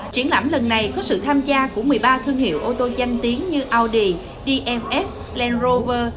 triển lãm lần này có sự tham gia của một mươi ba thương hiệu ô tô danh tiếng như audi dmf plan rover